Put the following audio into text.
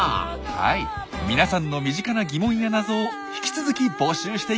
はい皆さんの身近な疑問や謎を引き続き募集していきます。